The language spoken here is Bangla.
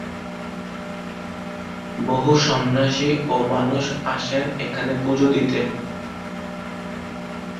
বহু সন্ন্যাসী ও মানুষ আসেন এখানে পুজো দিতে।